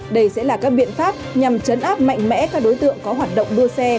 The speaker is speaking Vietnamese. đây sẽ là các biện pháp nhằm chấn áp mạnh mẽ các đối tượng có hoạt động đua xe